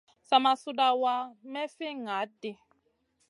Sa ma suɗawa may fi ŋaʼaɗ ɗi.